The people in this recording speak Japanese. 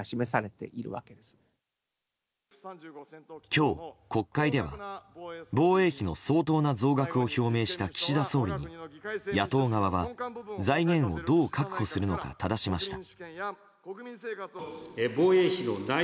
今日、国会では防衛費の相当な増額を表明した岸田総理に、野党側は財源をどう確保するのかただしました。